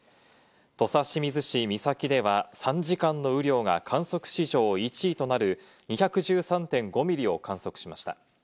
土佐清水市三崎では３時間の雨量が観測史上１位となる２１３．５ミリを観測しました。